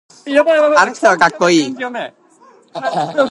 あの人はかっこいい。